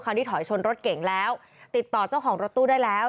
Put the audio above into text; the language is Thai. ที่ถอยชนรถเก่งแล้วติดต่อเจ้าของรถตู้ได้แล้ว